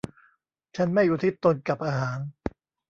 ฉันไม่อุทิศตนกับอาหาร